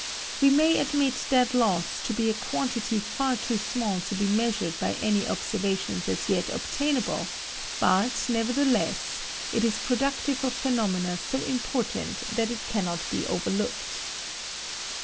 We may admit that loss to be a quantity far too small to be measured by any observations as yet obtainable, but, nevertheless, it is productive of phenomena so important that it cannot be overlooked.